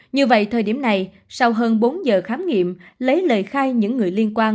như vậy thời điểm này sau hơn bốn giờ khám nghiệm lấy lời khai những người liên quan